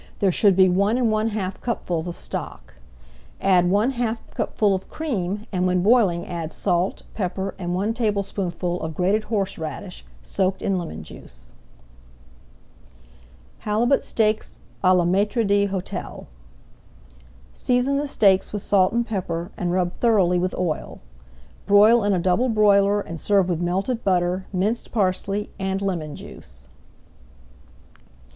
There should be one and one half cupfuls of stock. Add one half [Page 186] cupful of cream, and when boiling add salt, pepper, and one tablespoonful of grated horseradish soaked in lemon juice. HALIBUT STEAKS À LA MAÎTRE D'HÔTEL Season the steaks with salt and pepper, and rub thoroughly with oil. Broil in a double broiler, and serve with melted butter, minced parsley, and lemon juice.